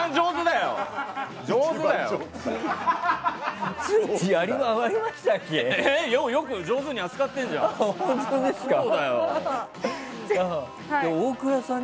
よく上手に扱ってるじゃん！